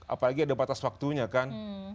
apalagi ada batas waktunya kan